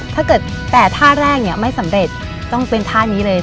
ถ้าเกิด๘ท่าแรกเนี่ยไม่สำเร็จต้องเป็นท่านี้เลย